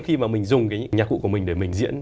khi mà mình dùng cái nhạc cụ của mình để mình diễn